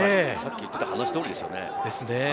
さっき言っていた話通りですね。